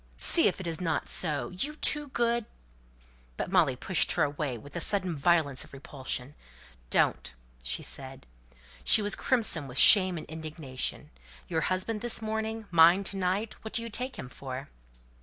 See if it isn't so! You two good " But Molly pushed her away with a sudden violence of repulsion. "Don't!" she said. She was crimson with shame and indignation. "Your husband this morning! Mine to night! What do you take him for?"